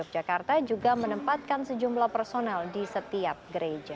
jakarta juga menempatkan sejumlah personel di setiap gereja